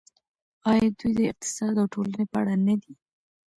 آیا دوی د اقتصاد او ټولنې په اړه نه دي؟